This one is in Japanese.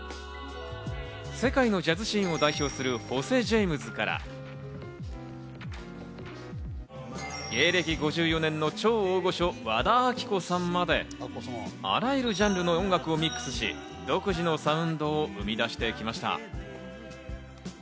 世界のジャズシーンを代表するホセ・ジェイムズから芸歴５４年の超大御所、和田アキ子さんまで、あらゆるジャンルの音楽をミックスし、独自のサウンドを生み出してきました。